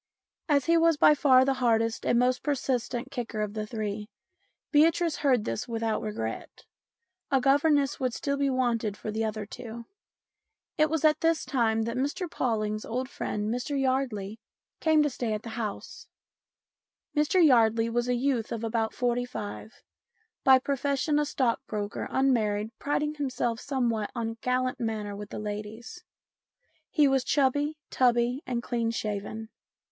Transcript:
As he was by far the hardest and most persistent kicker of the three, Beatrice heard this without regret ; a governess would still be wanted for the other two. It was at this time that Mr Pawling' s old friend, Mr Yardley, came to stay at the house. Mr Yardley was a youth of about forty five, by profession a stockbroker, unmarried, priding him self somewhat on a gallant manner with the ladies. He was chubby, tubby, and clean shaven.